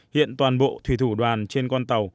hiện toàn bộ thủy thủ đoàn trên con tàu